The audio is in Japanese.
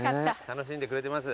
楽しんでくれてます？